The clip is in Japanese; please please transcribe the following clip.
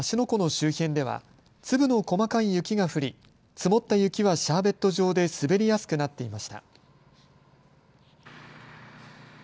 湖の周辺では粒の細かい雪が降り積もった雪はシャーベット状で滑りやすくなっていました。